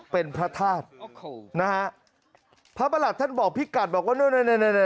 เป็นพระธาตุนะฮะพระประหลัดท่านบอกพี่กัดบอกว่า